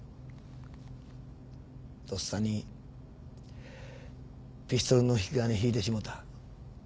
とっさにピストルの引き金引いてしもうた。